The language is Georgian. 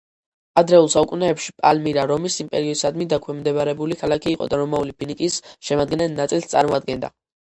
ადრეულ საუკუნეებში, პალმირა რომის იმპერიისადმი დაქვემდებარებული ქალაქი იყო და რომაული ფინიკიის შემადგენელ ნაწილს წარმოადგენდა.